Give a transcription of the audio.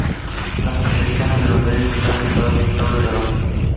These territories came to constitute the Grand Duchy of Finland under the Russian Empire.